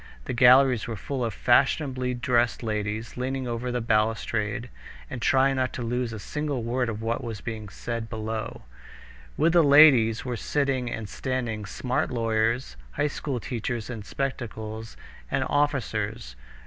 The galleries were full of fashionably dressed ladies, leaning over the balustrade and trying not to lose a single word of what was being said below. With the ladies were sitting and standing smart lawyers, high school teachers in spectacles, and officers.